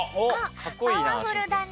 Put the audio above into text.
パワフルだね。